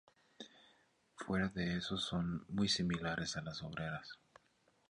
Fuera de eso son muy similares a las obreras.